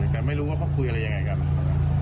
แต่ไม่รู้ว่าเขาคุยอะไรยังไงกัน